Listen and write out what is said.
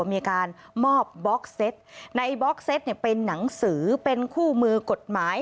มีการมอบบล็อกเซ็ตในบล็อกเซ็ตเนี่ยเป็นหนังสือเป็นคู่มือกฎหมาย